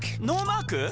ノーマーク！？